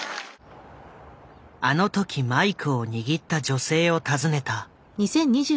あの時マイクを握った女性を訪ねた。